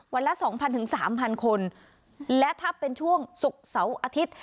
วันละสองพันถึงสามพันคนและถ้าเป็นช่วงสุขสาวอาทิตย์